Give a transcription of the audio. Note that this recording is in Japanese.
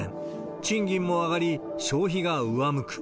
賃金も上がり、消費が上向く。